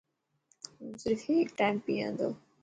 هون سرف هيڪ ٽائم پيا ٿو.